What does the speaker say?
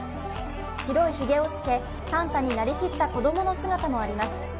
白いひげをつけ、サンタになりきった子供の姿もあります。